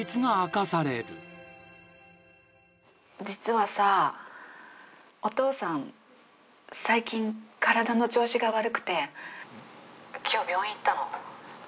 実はさお父さん最近体の調子が悪くて今日病院行ったの。